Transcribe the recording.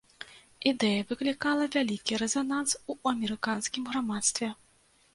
Ідэя выклікала вялікі рэзананс у амерыканскім грамадстве.